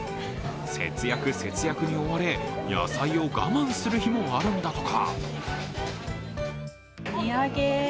節約、節約に追われ、野菜を我慢する日もあるんだとか。